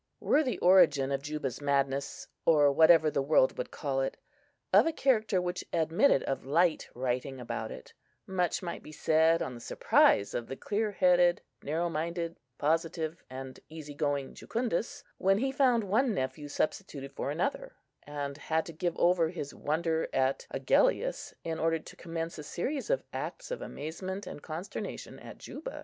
Were the origin of Juba's madness (or whatever the world would call it) of a character which admitted of light writing about it, much might be said on the surprise of the clear headed, narrow minded, positive, and easy going Jucundus, when he found one nephew substituted for another, and had to give over his wonder at Agellius, in order to commence a series of acts of amazement and consternation at Juba.